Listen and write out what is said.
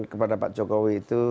kepada pak jokowi itu